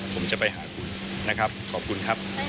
ผมจะไปหาคุณนะครับขอบคุณครับ